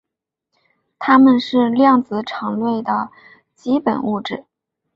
它们是量子场论的基本物质。